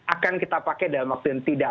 akan kita pakai dalam waktu yang tidak